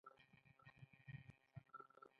دا معلومات دې راټول کړي او په ټولګي کې دې وړاندې کړي.